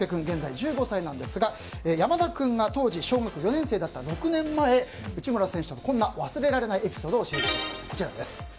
現在１５歳なんですが山田君が当時、小学４年生だった６年前内村選手とのこんな忘れられないエピソードを教えてくれました。